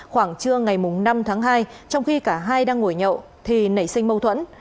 khoảng trưa ngày năm tháng hai trong khi cả hai đang ngồi nhậu thì nảy sinh mâu thuẫn